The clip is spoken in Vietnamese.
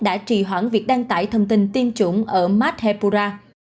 đã trì hoãn việc đăng tải thông tin tiêm chủng ở madhepura